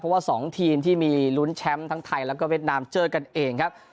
เพราะว่า๒ทีมที่มีลุ้นแชมป์ทั้งไทยแล้วก็เวียดนามเจอกันเองครับ